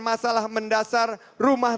masalah mendasar rumah